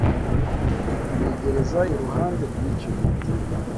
Ntegereza iruhande rwicyo giti.